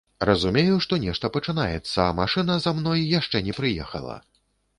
Разумею, што нешта пачынаецца, а машына за мной яшчэ не прыехала.